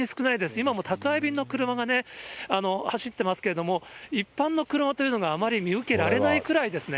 今も宅配便の車が走ってますけれども、一般の車というのがあまり見受けられないくらいですね。